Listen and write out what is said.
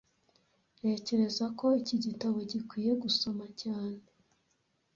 Ntekereza ko iki gitabo gikwiye gusoma cyane